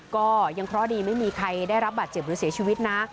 ก็ยังเคราะห์ดีไม่มีใครได้รับบาดเจ็บหรือเสียชีวิตนะ